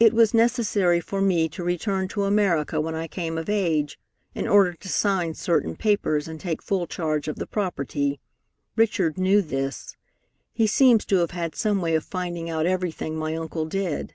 "It was necessary for me to return to America when I came of age, in order to sign certain papers and take full charge of the property. Richard knew this. He seems to have had some way of finding out everything my uncle did.